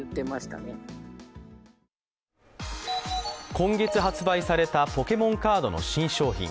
今月発売されたポケモンカードの新商品。